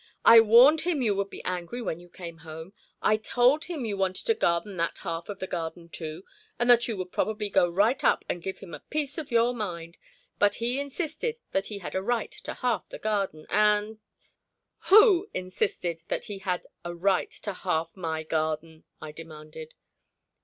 "I warned him you would be angry when you came home! I told him you wanted to garden that half of the garden, too, and that you would probably go right up and give him a piece of your mind, but he insisted that he had a right to half the garden, and " "Who insisted that he had a right to half my garden?" I demanded.